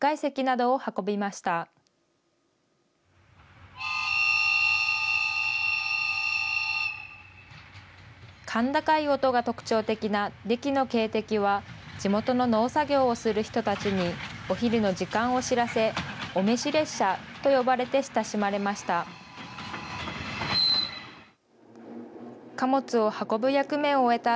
甲高い音が特徴的なデキの警笛は、地元の農作業をする人たちにお昼の時間を知らせ、お飯列車と呼ばれて親しまれました。